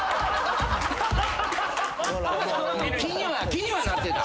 気にはなってた。